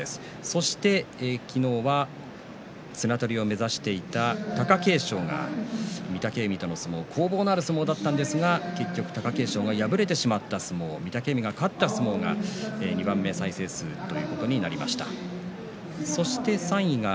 そして昨日は綱取りを目指していた貴景勝は御嶽海との対戦攻防のある相撲だったんですが結局貴景勝が敗れてしまった御嶽海が勝った相撲が２位の再生数となりました。